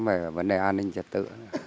về vấn đề an ninh trật tự